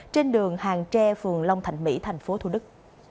trên đường hàng tre phường long thạnh mỹ tp thủ đức